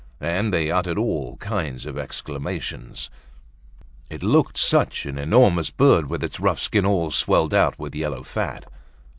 And they uttered all kinds of exclamations; it looked such an enormous bird, with its rough skin all swelled out with yellow fat.